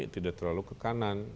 tidak terlalu ke kanan